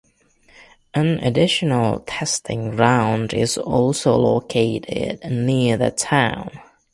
An additional testing ground is also located near the town.